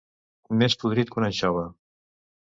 Més podrit que una anxova.